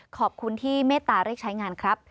ขอบคุณที่เมตตาเรียกใช้งานครับ